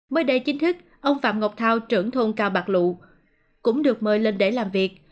mới đây chính thức ông phạm ngọc thao trưởng thôn cao bạc lụ cũng được mời lên để làm việc